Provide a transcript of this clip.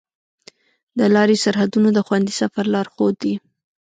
د لارې سرحدونه د خوندي سفر لارښود دي.